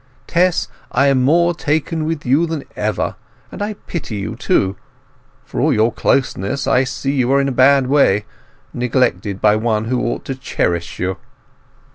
Tess, I am more taken with you than ever, and I pity you too. For all your closeness, I see you are in a bad way—neglected by one who ought to cherish you."